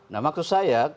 nah maksud saya